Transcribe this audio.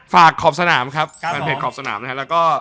ฝากขอบสนามครับแล้วก็